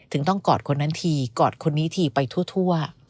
ถึงต้องกอดคนนั้นทีกอดคนนี้ทีไปทั่ว